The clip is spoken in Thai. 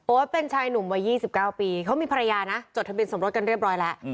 เป็นชายหนุ่มวัย๒๙ปีเขามีภรรยานะจดทะเบียสมรสกันเรียบร้อยแล้ว